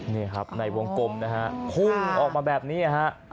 นี่ครับในวงกลมนะฮะพุ่งออกมาแบบนี้ฮะ